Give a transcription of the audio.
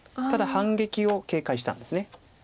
ただ反撃を警戒したんです。